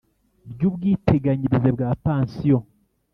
ry ubwiteganyirize bwa pansiyo